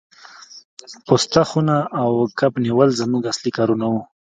پوسته خونه او کب نیول زموږ اصلي کارونه وو